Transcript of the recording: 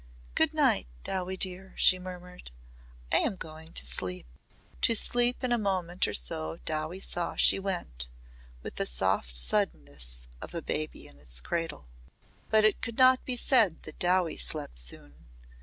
"Good night, Dowie dear," she murmured. "I am going to sleep." To sleep in a moment or so Dowie saw she went with the soft suddenness of a baby in its cradle. But it could not be said that Dowie slept soon.